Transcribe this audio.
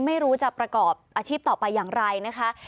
ไม่รู้จะประกอบอาชีพต่อไปอย่างไรนะคะ